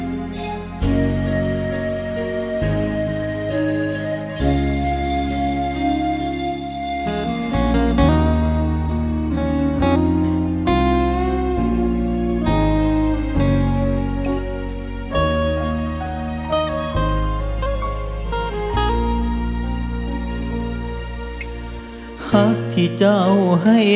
เจ้าที่ช่วย